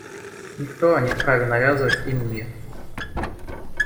Никто не вправе навязывать им мир.